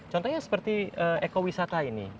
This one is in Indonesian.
contohnya seperti ekowisata ini